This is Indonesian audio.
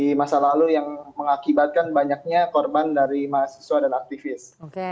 di masa lalu yang mengakibatkan banyaknya korban dari mahasiswa dan aktivis